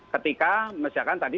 ketika misalkan tadi